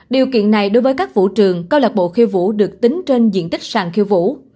điều kiện này đối với các vũ trường câu lạc bộ khiêu vũ được tính trên diện tích sàn khiêu vũ